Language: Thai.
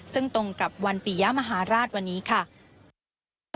ซึ่งตรงกับวันปียะมหาราชวันนี้ค่ะ